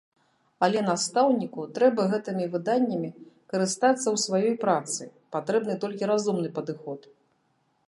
Але настаўніку трэба гэтымі выданнямі карыстацца ў сваёй працы, патрэбны толькі разумны падыход.